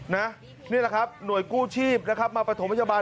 นี่แหละครับหน่วยกู้ชีพนะครับมาประถมพยาบาล